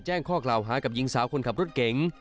แจ้งข้อกล่าวหากับหญิงสาวคนขับรถเก๋ง